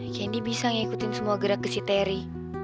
candy bisa ngikutin semua gerak ke si terry